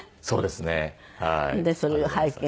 そうですねはい。